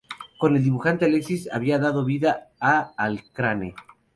Con el dibujante Alexis había dado vida a Al Crane.